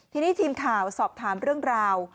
ทีนี้ทีมข่าวสอบถามเรื่องราว